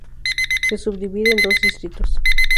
Se subdivide en dos distritos.